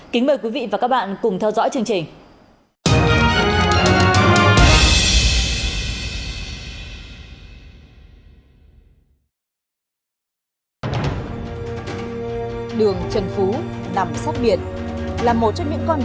kính mời quý vị và các bạn cùng theo dõi chương trình